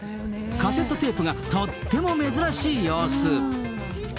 カセットテープがとっても珍しい様子。